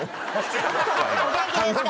お元気ですか？